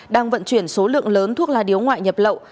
đang vận chuyển số lượng lớn thuốc lá điếu ngoại nhập lậu